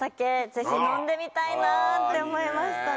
ぜひ飲んでみたいなぁって思いましたね。